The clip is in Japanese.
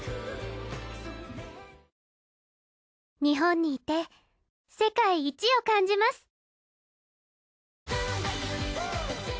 日本にいて世界一を感じます。